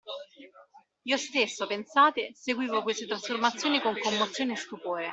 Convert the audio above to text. Io stesso, pensate, seguivo queste trasformazioni con commozione e stupore.